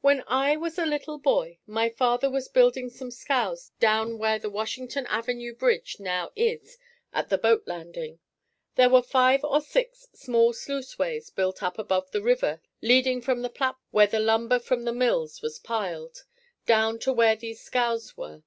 When I was a little boy my father was building some scows down where the Washington Avenue bridge now is at the boat landing. There were five or six small sluiceways built up above the river leading from the platform where the lumber from the mills was piled, down to where these scows were.